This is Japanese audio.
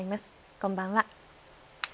こんばんは。